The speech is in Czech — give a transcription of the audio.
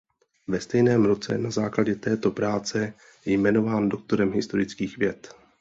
Ve stejném roce na základě této práce jmenován doktorem historických věd.